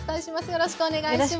よろしくお願いします。